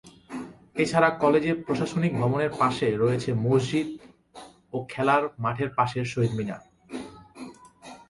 এছাড়া কলেজে প্রশাসনিক ভবনের পাশে রয়েছে মসজিদ ও খেলার মাঠের পাশে শহীদ মিনার।